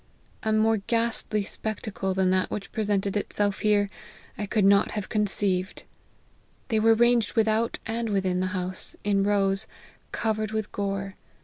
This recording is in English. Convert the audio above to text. A more ghastly spectacle than that which present ed itself here, I could not have conceived. They were ranged without and within the house, in rows, covered with gore.